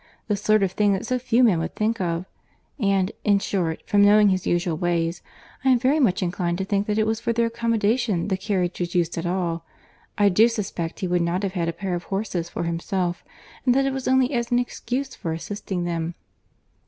—the sort of thing that so few men would think of. And, in short, from knowing his usual ways, I am very much inclined to think that it was for their accommodation the carriage was used at all. I do suspect he would not have had a pair of horses for himself, and that it was only as an excuse for assisting them."